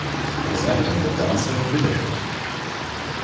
It is evident that dancing would be difficult.